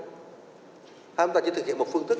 hay là chúng ta chỉ thực hiện một phương tức